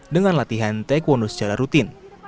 dengan latihan taekwondo secara rutin